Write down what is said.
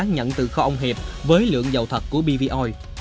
nhận từ kho ông hiệp với lượng dầu thật của bvoi